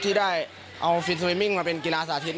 ที่ได้เอาฟินเวมิ้งมาเป็นกีฬาสาธิต